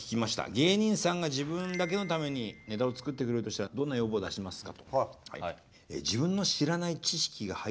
芸人さんが自分だけのためにネタを作ってくれるとしたらどんな要望を出しますか。